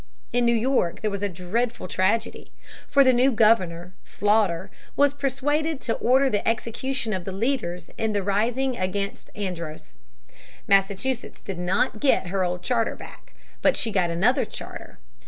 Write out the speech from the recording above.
In New York there was a dreadful tragedy. For the new governor, Slaughter, was persuaded to order the execution of the leaders in the rising against Andros. Massachusetts did not get her old charter back, but she got another charter.